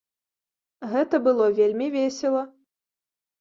Гэта было вельмі весела.